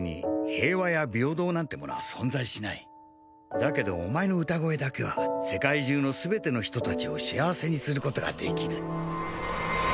「だけどお前の歌声だけは世界中の全ての人たちを幸せにすることができる」